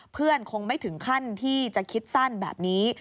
คงไม่ถึงขั้นที่จะคิดสั้นแบบนี้